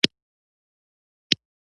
نقشه د مایا اصلي ښارونه راښيي.